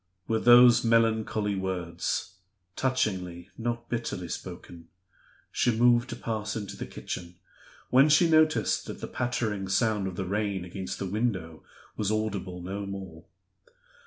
With those melancholy words touchingly, not bitterly spoken she moved to pass into the kitchen, when she noticed that the pattering sound of the rain against the window was audible no more.